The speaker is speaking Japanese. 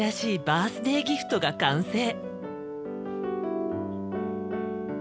バースデーギフトが完成。